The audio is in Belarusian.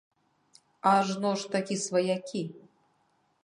Ажно ж такі сваякі.